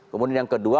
kemudian yang kedua